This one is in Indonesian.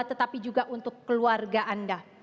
tetapi juga untuk keluarga anda